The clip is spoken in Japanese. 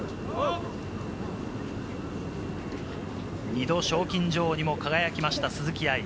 ２度、賞金女王にも輝きました、鈴木愛。